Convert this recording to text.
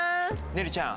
ねるちゃん。